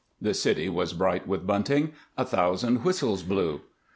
The city was bright with bunting; a thousand whistles blew.